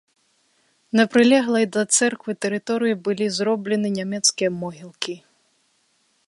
На прылеглай да цэрквы тэрыторыі былі зроблены нямецкія могілкі.